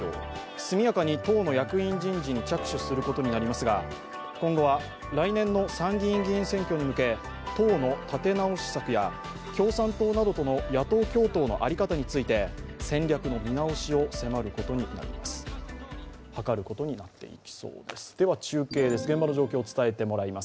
速やかに党の役員人事に着手することになりますが今後は来年の参議院議員選挙に向け、党の立て直し策や共産党などとの野党共闘の在り方などについて、戦略の見直しを図ることになります。